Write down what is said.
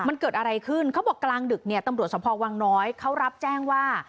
มันเกิดอะไรขึ้นเขาบอกกลางดึกเนี่ยตำรวจสมภาวังน้อยเขารับแจ้งว่า